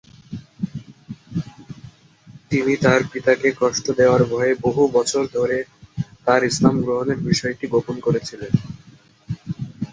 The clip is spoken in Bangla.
তিনি তাঁর পিতাকে কষ্ট দেয়ার ভয়ে বহু বছর ধরে তাঁর ইসলাম গ্রহণের বিষয়টি গোপন করেছিলেন।